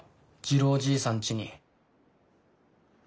次郎じいさんちに。